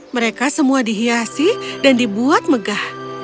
mereka semua dihiasi dan dibuat megah